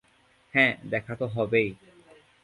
হ্যা, দেখা তো হবেই।